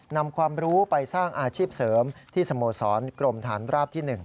นำความรู้ไปสร้างอาชีพเสริมที่สโมสรกรมฐานราบที่๑